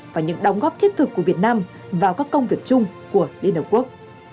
và những đóng góp thiết thực của việt nam vào các công việc chung của liên hợp quốc